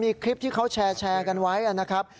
มีคลิปที่เขาแชร์กันไว้นะครับ